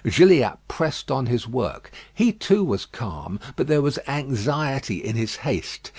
Gilliatt pressed on his work. He, too, was calm; but there was anxiety in his haste.